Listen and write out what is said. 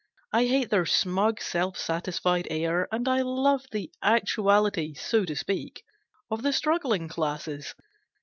I hate their smug, self satisfied air, and I love the actuality, so to speak, of the struggling classes.